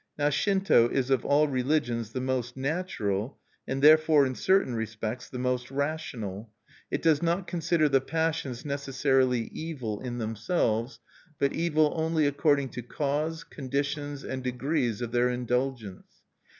Now Shinto is of all religions the most natural, and therefore in certain respects the most rational. It does not consider the passions necessarily evil in themselves, but evil only according to cause, conditions, and degrees of their indulgence.